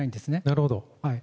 なるほど。